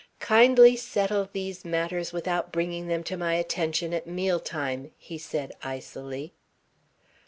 "Kindly settle these matters without bringing them to my attention at meal time," he said icily.